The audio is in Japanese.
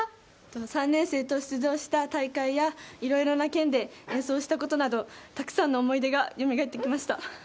３年生と出場した大会やいろいろな県で演奏したことなど、たくさんの思い出がよみがえってきました。